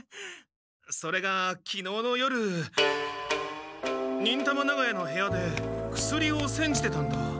それがきのうの夜忍たま長屋の部屋で薬をせんじてたんだ。